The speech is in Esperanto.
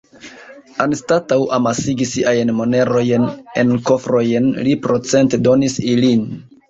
Anstataŭ amasigi siajn monerojn en kofrojn, li procente-donis ilin.